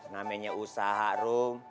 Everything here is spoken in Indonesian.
namanya usaha rum